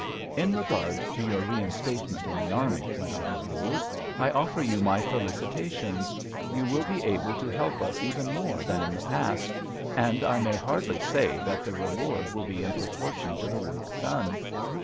"In regard to your reinstatement in the army," went on Voules, "I offer you my felicitations. You will be able to help us even more than in the past, and I may hardly say that the reward will be in proportion to the work done.